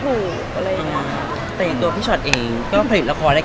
แล้วเรื่องมันจะเป็นอีกแนว